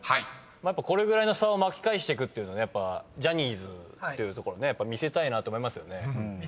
これぐらいの差を巻き返していくっていうジャニーズっていうところを見せたいなって思いますよね。